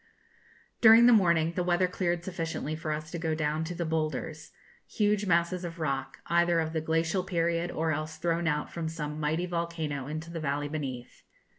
During the morning, the weather cleared sufficiently for us to go down to 'The Boulders,' huge masses of rock, either of the glacial period, or else thrown out from some mighty volcano into the valley beneath.